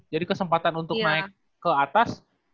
jadi kesempatan untuk naik ke atas